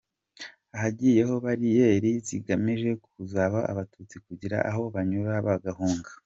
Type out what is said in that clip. Hagiyeho bariyeri zigamije kubuza Abatutsi kugira aho banyura bahunga.